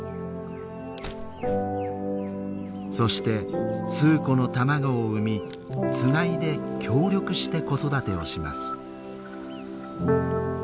そして数個の卵を産みつがいで協力して子育てをします。